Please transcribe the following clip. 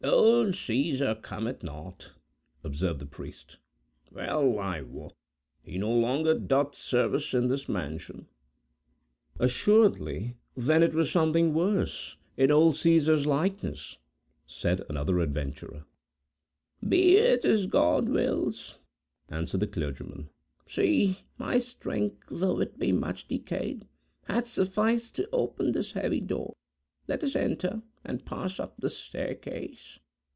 "Old Caesar cometh not," observed the priest. "Well, I wot, he no longer doth service in this mansion." "Assuredly, then, it was something worse, in old Caesar's likeness!" said the other adventurer. "Be it as God wills," answered the clergyman. "See! my strength, though it be much decayed, hath sufficed to open this heavy door. Let us enter, and pass up the staircase."